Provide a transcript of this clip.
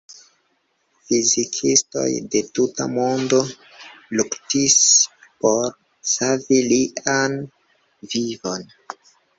Fizikistoj de tuta mondo luktis por savi lian vivon.